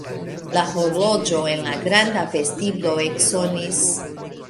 La horloĝo en la granda vestiblo eksonis.